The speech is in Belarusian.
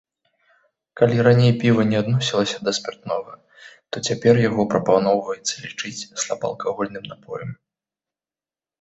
Калі раней піва не адносілася да спіртнога, то цяпер яго прапаноўваецца лічыць слабаалкагольным напоем.